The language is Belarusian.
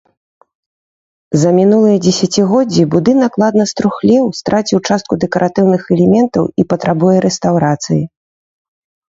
За мінулыя дзесяцігоддзі будынак ладна струхлеў, страціў частку дэкаратыўных элементаў і патрабуе рэстаўрацыі.